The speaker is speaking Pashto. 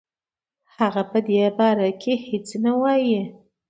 هغه په دې باره کې هیڅ نه وايي.